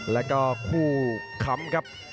แล้วก็คู่ค้ำครับ